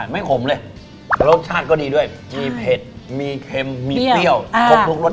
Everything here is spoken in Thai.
ไม่ขมนะรสชาติก็ดีด้วยมีเผ็ดมีเค็มมีเปรี้ยวมีเข็มลงรสชาติ